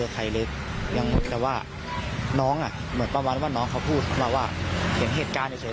แต่ว่าน้องเหมือนประมาณว่าน้องเขาพูดมาว่าเห็นเหตุการณ์เฉย